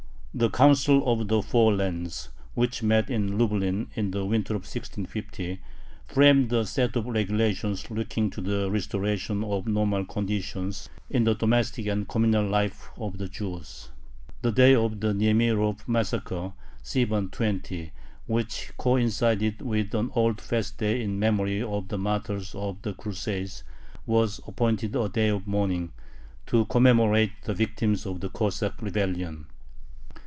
The Council of the Four Lands, which met in Lublin in the winter of 1650, framed a set of regulations looking to the restoration of normal conditions in the domestic and communal life of the Jews. The day of the Niemirov massacre (Sivan 20), which coincided with an old fast day in memory of the martyrs of the Crusades, was appointed a day of mourning, to commemorate the victims of the Cossack rebellion.